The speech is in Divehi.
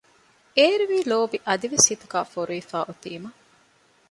އޭރުވީ ލޯބި އަދިވެސް ހިތުގައި ފޮރުވިފައި އޮތީމަ